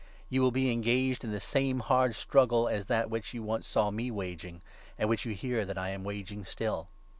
You will be engaged in the same hard struggle as that which 30 you once saw me waging, and which you hear that I am waging still.